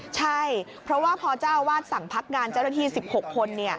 ใช่เพราะว่าพอเจ้าอาวาสสั่งพักงานเจ้าหน้าที่๑๖คน